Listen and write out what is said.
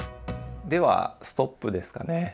ではストップですかね。